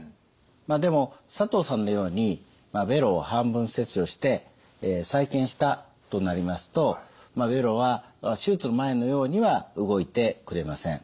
まあでも佐藤さんのようにべろを半分切除して再建したとなりますとべろは手術の前のようには動いてくれません。